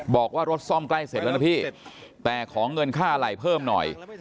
บอกว่ารถซ่อมใกล้เสร็จแล้วนะพี่แต่ขอเงินค่าอะไรเพิ่มหน่อย